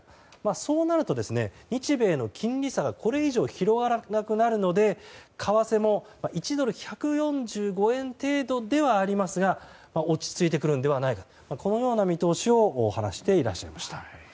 そうなると日米の金利差がこれ以上広がらなくなるので為替も１ドル＝１４５円程度ではありますが落ち着いてくるのではないかとこのような見通しを話していらっしゃいました。